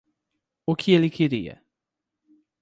O que ele queria?